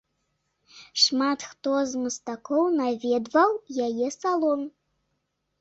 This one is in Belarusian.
Шмат хто з мастакоў наведваў яе салон.